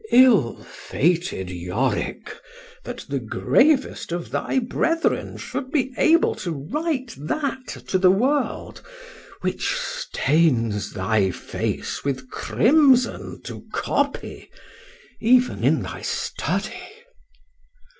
Ill fated Yorick! that the gravest of thy brethren should be able to write that to the world, which stains thy face with crimson to copy, even in thy study.